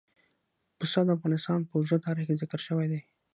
پسه د افغانستان په اوږده تاریخ کې ذکر شوی دی.